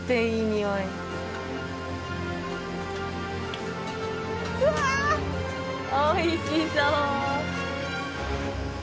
おいしそう。